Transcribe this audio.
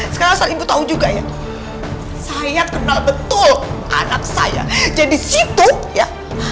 sekarang saat ibu tahu juga ya saya kenal betul anak saya jadi situ ya